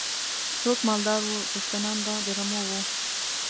څوک مالدار وو څښتنان به د رمو وو.